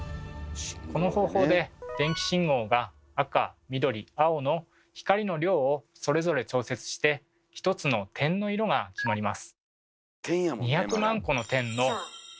この方法で電気信号が赤緑青の光の量をそれぞれ調節して１つの点の色が決まります。